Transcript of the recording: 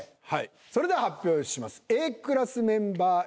それでは発表します。